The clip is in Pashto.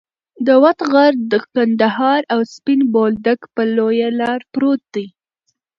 د وط غر د قندهار او سپین بولدک پر لویه لار پروت دی.